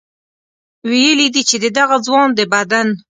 ویلي دي چې د دغه ځوان د بدن